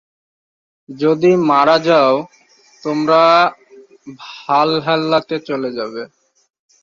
যদি মারা যাও, তোমরা ভালহাল্লাতে চলে যাবে।